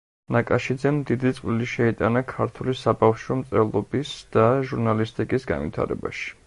ნაკაშიძემ დიდი წვლილი შეიტანა ქართული საბავშვო მწერლობის და ჟურნალისტიკის განვითარებაში.